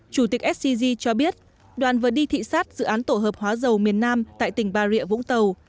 chủ tịch scg cho biết đoàn vừa đi thị xát dự án tổ hợp hóa dầu miền nam tại tỉnh bà rịa vũng tàu